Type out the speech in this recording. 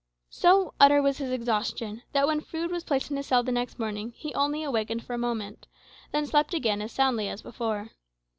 So utter was his exhaustion, that when food was placed in his cell the next morning, he only awaked for a moment, then slept again as soundly as before.